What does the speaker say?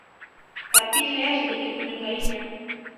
Tapi saya sedikit menyukainya.